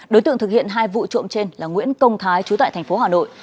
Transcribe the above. đối tượng thực hiện hai vụ trộm trên là nguyễn công thái trú tại thành phố hà nội